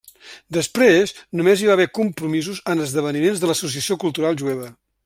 Després, només hi va haver compromisos en esdeveniments de l'Associació Cultural Jueva.